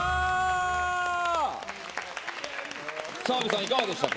澤部さん、いかがでしたか。